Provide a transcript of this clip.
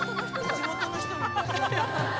地元の人みたい。